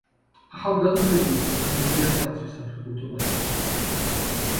ახალგაზრდები ბრუნდებიან სახლში საფეხბურთო მატჩის შემდგომ.